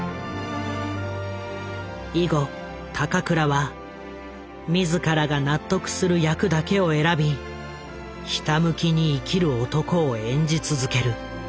以後高倉は自らが納得する役だけを選びひたむきに生きる男を演じ続ける。